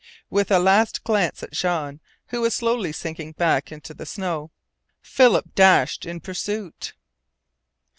With a last glance at Jean, who was slowly sinking back into the snow, Philip dashed in pursuit.